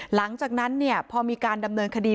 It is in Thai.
หลังจากนั้นพอมีการดำเนินคดี